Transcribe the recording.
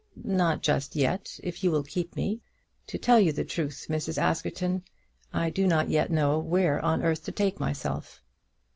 "Not just yet; if you will keep me. To tell you the truth, Mrs. Askerton, I do not yet know where on earth to take myself."